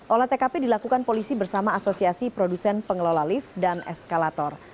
olah tkp dilakukan polisi bersama asosiasi produsen pengelola lift dan eskalator